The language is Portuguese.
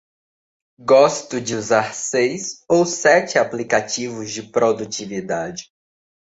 Gosto de usar seis ou sete aplicativos de produtividade.